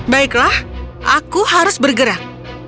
baiklah aku harus bergerak